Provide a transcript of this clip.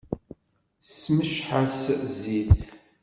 Ssemceḥ-as zzit.